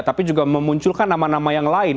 tapi juga memunculkan nama nama yang lain